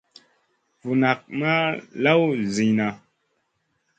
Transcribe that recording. Vu nak ma lawn sui nʼa.